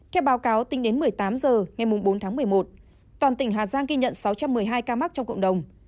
theo báo cáo tính đến một mươi tám h ngày bốn tháng một mươi một toàn tỉnh hà giang ghi nhận sáu trăm một mươi hai ca mắc trong cộng đồng